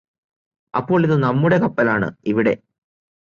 അപ്പോൾ ഇത് നമ്മുടെ കപ്പൽ ആണ് ഇവിടെ